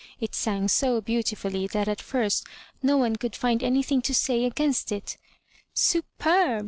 It sang so beautifully that at first no one could find anything to say against it. Super be!